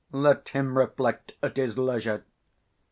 Let him reflect at his leisure.